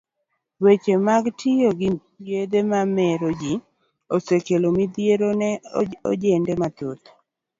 Weche mag tiyo gi yedhe mamero ji, osekelo midhiero ne ojende mathoth.